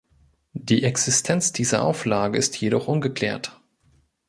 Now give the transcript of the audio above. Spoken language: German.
Die Existenz dieser Auflage ist jedoch ungeklärt.